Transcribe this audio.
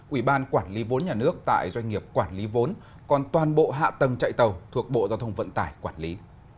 ủy ban quản lý vốn nhà nước tại doanh nghiệp quản lý vốn còn toàn bộ hạ tầng chạy tàu thuộc bộ giao thông vận tải quản lý